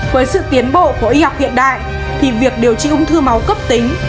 với sự tiến bộ của y học hiện đại thì việc điều trị ung thư máu cấp tính